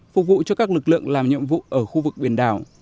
phục vụ cho các lực lượng làm nhiệm vụ ở khu vực biển đảo